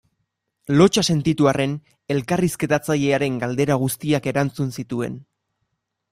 Lotsa sentitu arren elkarrizketatzailearen galdera guztiak erantzun zituen.